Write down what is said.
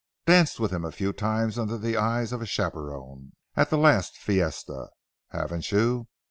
Danced with him a few times under the eyes of a chaperon at the last fiesta, haven't you?